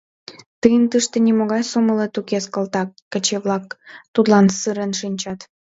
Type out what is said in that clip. Тыйын тыште нимогай сомылет укес, калтак!» — каче-влак тудлан сырен шинчат.